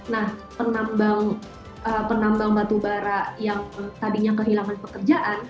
nah penambang batu bara yang tadinya kehilangan pekerjaan